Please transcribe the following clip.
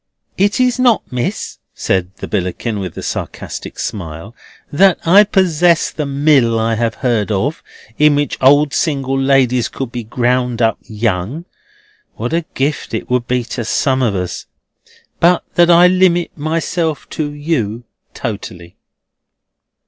"It is not, Miss," said the Billickin, with a sarcastic smile, "that I possess the Mill I have heard of, in which old single ladies could be ground up young (what a gift it would be to some of us), but that I limit myself to you totally."